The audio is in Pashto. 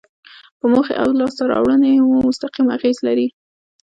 په موخې او لاسته راوړنې مو مستقیم اغیز لري.